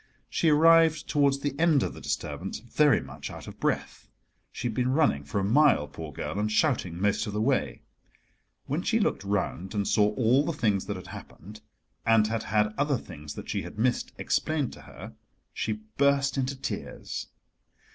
She arrived towards the end of the disturbance, very much out of breath: she had been running for a mile, poor girl, and shouting most of the way. When she looked round and saw all the things that had happened, and had had other things that she had missed explained to her, she burst into tears.